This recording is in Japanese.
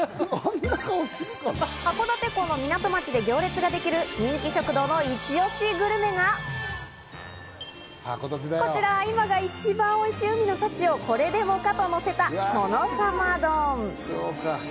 函館港の港町で行列ができる人気食堂のイチ押しグルメが、こちら今が一番おいしい海の幸をこれでもかとのせた殿様丼。